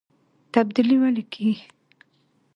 تبدیلي ولې کیږي؟